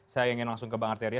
saya ingin langsung ke bang arteria